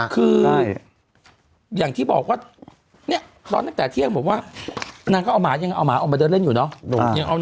คืออย่างที่บอกว่าเนี่ยตอนตั้งแต่เที่ยงบอกว่านางก็เอาหมายังเอาหมาออกมาเดินเล่นอยู่เนาะ